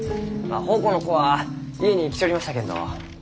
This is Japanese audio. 奉公の子は家に来ちょりましたけんど。